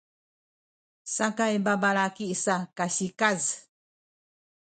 sakay babalaki sa kasikaz